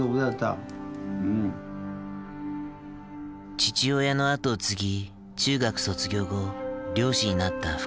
父親の後を継ぎ中学卒業後漁師になった福蔵さん。